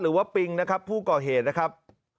หรือว่าปิงนะครับผู้ก่อเหตุนะครับ